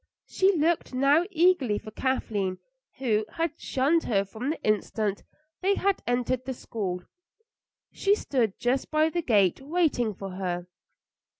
She looked now eagerly for Kathleen, who had shunned her from the instant they had entered the school; she stood just by the gate waiting for her.